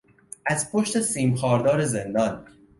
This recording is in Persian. از پشت سیم خاردار زندان